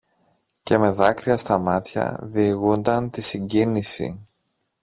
και με δάκρυα στα μάτια διηγούνταν τη συγκίνηση